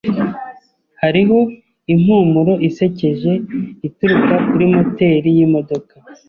Hariho impumuro isekeje ituruka kuri moteri yimodoka.